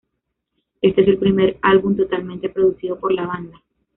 Este es el primer álbum totalmente producido por la banda.